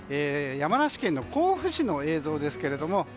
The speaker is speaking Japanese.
山梨県の甲府市の映像です。